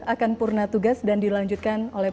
akan purna tugas dan dilanjutkan oleh